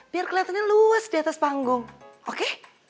biar kelihatannya luas di atas panggung oke